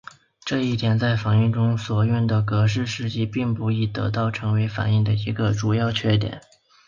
这一点在反应中所用格氏试剂并不易得时成为反应的一个主要缺点。